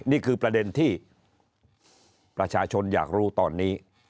นี่คือประเด็นที่ประชาชนอยากรู้ตอนนี้